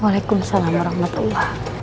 waalaikumsalam warahmatullahi wabarakatuh